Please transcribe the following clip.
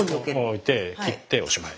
置いて切っておしまい。